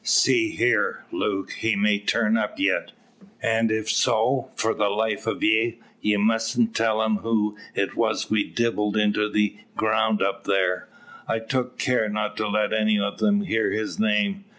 See here, Luke; he may turn up yet. An' if so, for the life o' ye, ye mustn't tell him who it was we dibbled into the ground up thar. I took care not to let any of them hear his name.